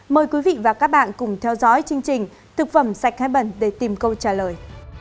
mời quý vị và các bạn cùng theo dõi chương trình thực phẩm sạch hai bẩn để tìm câu trả lời